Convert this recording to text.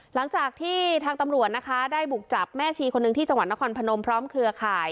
หลังจากที่ทางตำรวจนะคะได้บุกจับแม่ชีคนหนึ่งที่จังหวัดนครพนมพร้อมเครือข่าย